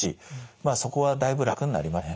まあそこはだいぶ楽になりましたね。